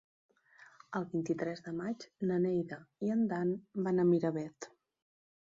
El vint-i-tres de maig na Neida i en Dan van a Miravet.